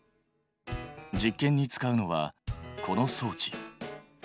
実験に使うのはこの装置。